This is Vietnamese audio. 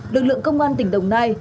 lực lượng công an tỉnh đồng nai